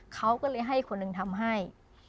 เขาก็เลยให้คนหนึ่งทำให้